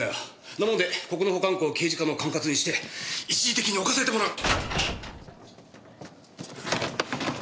なもんでここの保管庫を刑事課の管轄にして一時的に置かせてもらう。